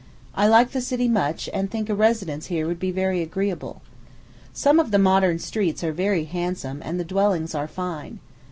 I like the city much, and think a residence here would be very agreeable. Some of the modern streets are very handsome, and the dwellings are fine.